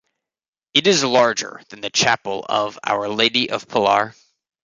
It is larger than the Chapel of Our Lady of Pilar.